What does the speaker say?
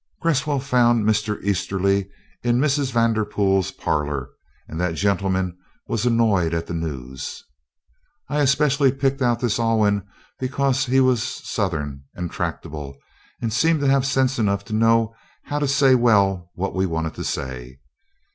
Cresswell found Mr. Easterly in Mrs. Vanderpool's parlor, and that gentleman was annoyed at the news. "I especially picked out this Alwyn because he was Southern and tractable, and seemed to have sense enough to know how to say well what we wanted to say."